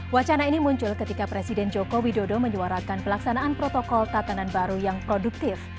wacana ini muncul ketika presiden joko widodo menyuarakan pelaksanaan protokol tatanan baru yang produktif